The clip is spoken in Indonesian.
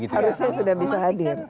harusnya sudah bisa hadir